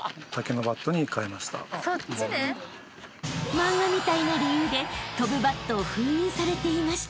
［漫画みたいな理由で飛ぶバットを封印されていました］